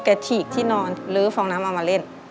ฉีกที่นอนลื้อฟองน้ำเอามาเล่น